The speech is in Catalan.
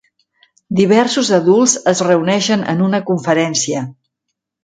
Diversos adults es reuneixen en una conferència.